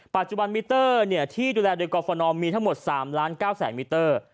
ปัจจุบันมิเตอร์ที่ดูแลโดยกรฟนมีทั้งหมด๓ล้าน๙แสนมิเตอร์